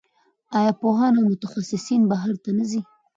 آیا پوهان او متخصصین بهر ته نه ځي؟